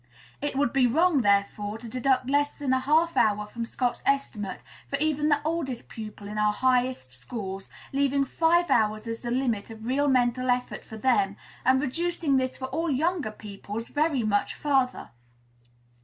'It would be wrong, therefore, to deduct less than a half hour from Scott's estimate, for even the oldest pupils in our highest schools, leaving five hours as the limit of real mental effort for them, and reducing this for all younger pupils very much further.'